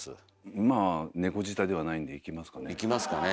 まあ猫舌ではないんでいきますかね。